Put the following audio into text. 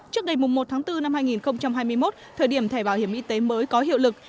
trước ngày một tháng bốn năm hai nghìn hai mươi một thời điểm thẻ bảo hiểm y tế mới có hiệu lực